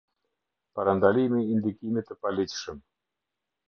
Parandalimi i Ndikimit të Paligjshëm.